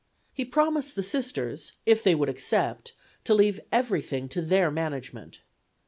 He promised the Sisters, if they would accept, to leave everything to their management.